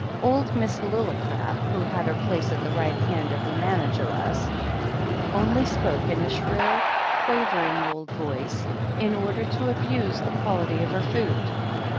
Old Miss Lillicrap, who had her place at the right hand of the manageress, only spoke in a shrill, quaver ing old voice, in order to abuse the quality of her food.